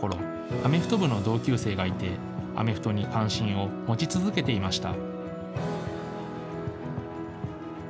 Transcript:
アメフト部の同級生がいてアメフトに関心を持ち続けていました。